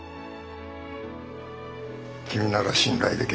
君なら信頼できる。